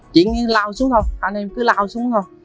chỉ lao xuống thôi hai em cứ lao xuống thôi